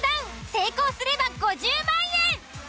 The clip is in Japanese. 成功すれば５０万円。